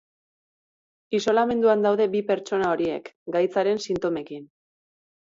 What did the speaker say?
Isolamenduan daude bi pertsona horiek, gaitzaren sintomekin.